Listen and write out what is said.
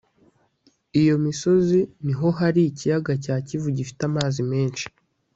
iyo misozi ni ho hari ikiyaga cya kivu gifite amazi menshi